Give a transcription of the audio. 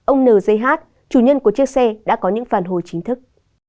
ông n j h chủ nhân của chiếc xe đã có những phản hồi chính thức